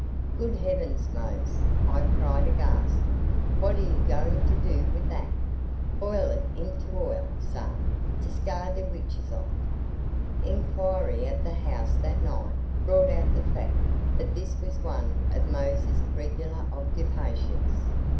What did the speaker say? "Good heavens, Mose!" I cried, aghast. "What are you going to do with that?" "Boil it into oil, sah, to scar de witches off." Inquiry at the house that night brought out the fact that this was one of Mose's regular occupations.